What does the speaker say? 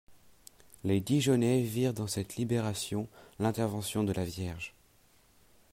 Les Dijonnais virent dans cette libération l'intervention de la Vierge.